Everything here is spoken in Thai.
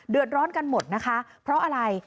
เดือดร้อนกันหมดนะคะเพราะอะไร